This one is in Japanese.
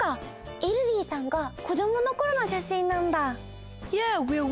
イルディさんが子どものころのしゃしんなんだ。